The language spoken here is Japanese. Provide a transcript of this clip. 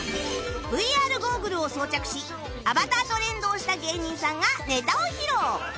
ＶＲ ゴーグルを装着しアバターと連動した芸人さんがネタを披露